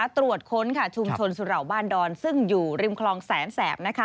ตรวจค้นชุมชนสุเหล่าบ้านดอนซึ่งอยู่ริมคลองแสนแสบ